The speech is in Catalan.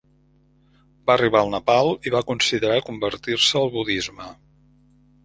Va arribar al Nepal i va considerar convertir-se al budisme.